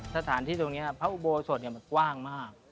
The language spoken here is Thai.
สถานที่ตรงนี้พระอุโบสถมันกว้างมาก